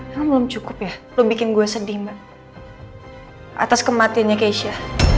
hal belum cukup ya lo bikin gue sedih mbak atas kematiannya keisha